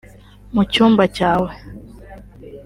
mu cyumba cyawe